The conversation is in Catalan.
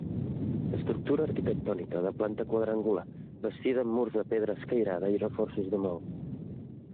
Estructura arquitectònica de planta quadrangular, bastida amb murs de pedra escairada i reforços de maó.